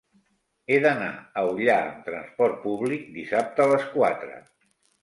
He d'anar a Ullà amb trasport públic dissabte a les quatre.